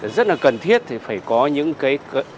rất là cần thiết phải có những thông tin